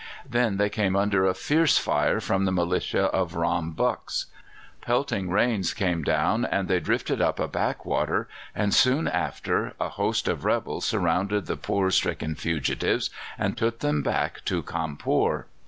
Then they came under a fierce fire from the militia of Ram Bux. Pelting rains came down, and they drifted up a backwater, and soon after a host of rebels surrounded the poor, stricken fugitives and took them back to Cawnpore.